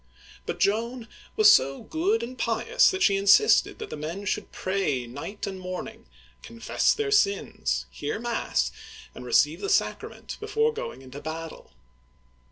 But Joan was so good and pious that she insisted that the men should pray night and morning, confess their sins, hear mass, and receive the sacrament before going into battle.